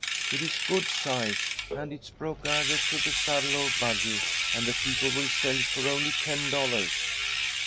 It is good size, and it's broke either to the saddle or buggy, and the people will sell it for only ten dollars.